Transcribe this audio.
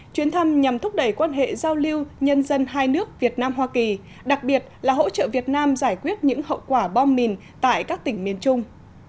chuyến thăm nhằm thúc đẩy quan hệ giao lưu nhân dân hai nước việt nam hoa kỳ đặc biệt là hỗ trợ việt nam giải quyết những hậu quả bom mìn tại các tỉnh miền trung